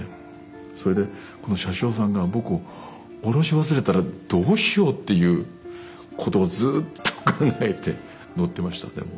それでこの車掌さんが僕を降ろし忘れたらどうしようっていうことをずっと考えて乗ってましたでも。